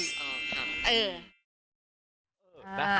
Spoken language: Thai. ดีเกินจากหายังไง